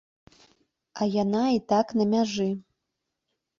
А яна і так на мяжы.